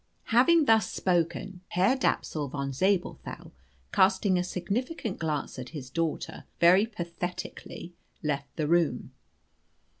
Having thus spoken, Herr Dapsul von Zabelthau, casting a significant glance at his daughter, very pathetically left the room.